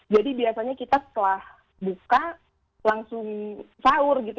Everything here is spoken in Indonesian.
jadi biasanya kita setelah buka langsung sahur gitu